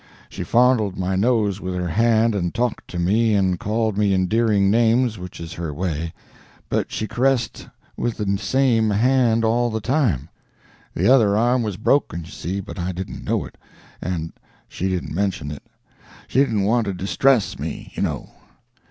She fondled my nose with her hand, and talked to me, and called me endearing names—which is her way—but she caressed with the same hand all the time. The other arm was broken, you see, but I didn't know it, and she didn't mention it. She didn't want to distress me, you know.